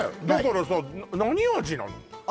だからさ何味なの？